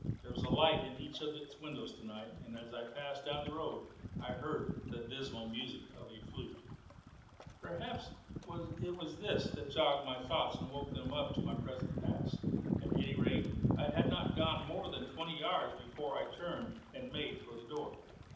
There was a light in each of its windows tonight, and as I passed down the road I heard the dismal music of a flute. Perhaps it was this that jogged my thoughts and woke them up to my present pass. At any rate, I had not gone more than twenty yards before I turned and made for the door.